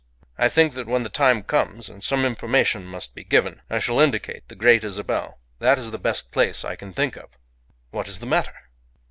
I think that when the time comes and some information must be given, I shall indicate the Great Isabel. That is the best place I can think of. What is the matter?"